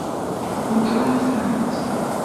Weddṛent-tent?